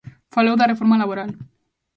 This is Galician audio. Falou da reforma laboral.